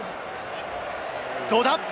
どうだ？